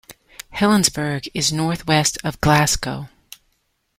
Helensburgh is north-west of Glasgow.